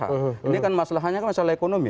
ini kan masalahnya kan masalah ekonomi